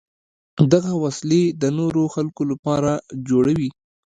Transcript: دغه وسلې د نورو خلکو لپاره جوړوي.